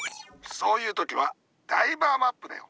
そういう時はダイバーマップだよ。